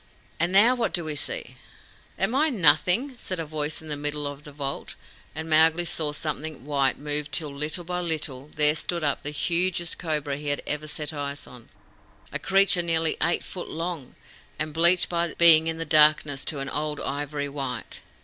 And now what do we see?" "Am I nothing?" said a voice in the middle of the vault; and Mowgli saw something white move till, little by little, there stood up the hugest cobra he had ever set eyes on a creature nearly eight feet long, and bleached by being in darkness to an old ivory white.